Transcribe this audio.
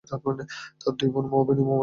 তার দুই বোন, মউবনি ও মুমতাজ।